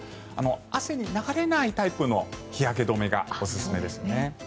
汗に流れないタイプの日焼け止めがおすすめです。